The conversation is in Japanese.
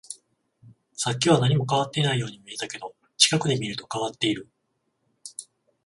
さっきは何も変わっていないように見えたけど、近くで見ると変わっている